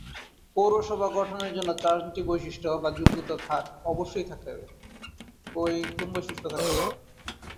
পৌরসভা গঠনের জন্য চারটি বৈশিষ্ট্য বা যোগ্যতা অবশ্যই থাকতে হবে।